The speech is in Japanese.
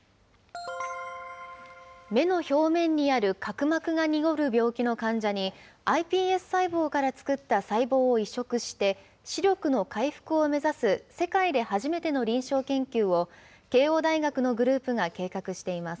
目の表面にある角膜が濁る病気の患者にｉＰＳ細胞から作った細胞を移植して、視力の回復を目指す、世界で初めての臨床研究を、慶応大学のグループが計画しています。